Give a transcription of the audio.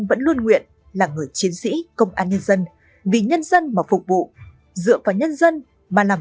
vẫn luôn nguyện là người chiến sĩ công an nhân dân vì nhân dân mà phục vụ dựa vào nhân dân mà làm